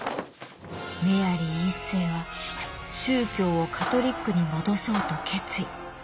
メアリー１世は宗教をカトリックに戻そうと決意。